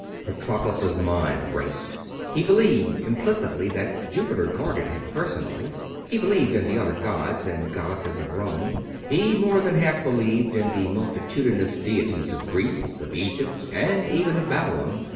Patroclus' mind raced. He believed implicitly that Jupiter guarded him personally. He believed in the other gods and goddesses of Rome. He more than half believed in the multitudinous deities of Greece, of Egypt, and even of Babylon.